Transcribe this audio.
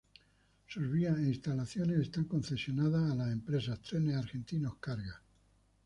Sus vías e instalaciones están concesionadas a la empresa Trenes Argentinos Cargas.